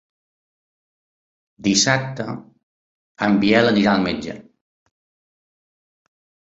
Dissabte en Biel anirà al metge.